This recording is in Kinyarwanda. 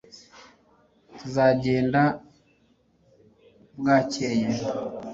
tuzagenda bwacyeye